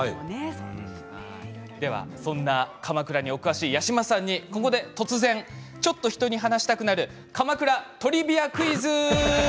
そんな鎌倉にお詳しい八嶋さんに、ここで突然ちょっと人に話したくなる鎌倉トリビアクイズ！